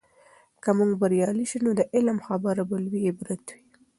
که موږ بریالي سو، نو د علم خبره به لوي عبرت وي.